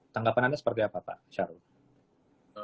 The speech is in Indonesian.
tanggapan anda seperti apa pak syarul